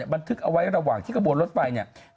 บันทึกเอาไว้ระหว่างที่กระบวนรถไฟเนี่ย